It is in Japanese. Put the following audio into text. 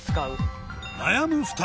悩む２人